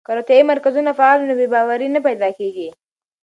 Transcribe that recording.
که روغتیايي مرکزونه فعال وي، بې باوري نه پیدا کېږي.